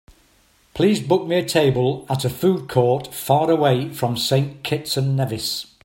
Please book me a table at a food court faraway from Saint Kitts and Nevis.